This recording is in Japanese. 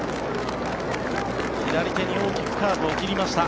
左手に大きくカーブを切りました。